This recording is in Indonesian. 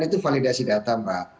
itu validasi data mbak